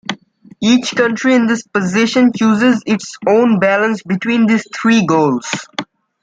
Each country in this position chooses its own balance between these three goals.